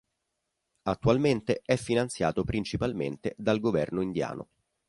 Attualmente è finanziato principalmente dal governo indiano.